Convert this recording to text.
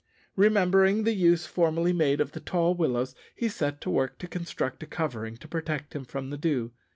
Remembering the use formerly made of the tall willows, he set to work to construct a covering to protect him from the dew.